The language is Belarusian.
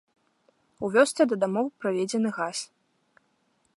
У вёсцы да дамоў праведзены газ.